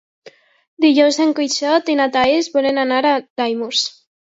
Dijous en Quixot i na Thaís volen anar a Daimús.